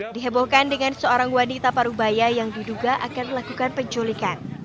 dihebohkan dengan seorang wanita parubaya yang diduga akan melakukan penculikan